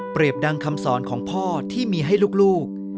ดังคำสอนของพ่อที่มีให้ลูก